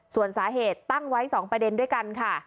ส่วนสาเหตุตั้งไว้๒ประเด็นด้วยกันค่ะ